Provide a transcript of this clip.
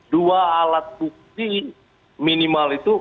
dua alat bukti minimal itu